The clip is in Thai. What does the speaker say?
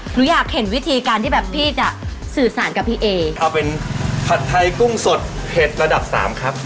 หนูอยากเห็นวิธีการที่แบบพี่จะสื่อสารกับพี่เอเอาเป็นผัดไทยกุ้งสดเผ็ดระดับสามครับ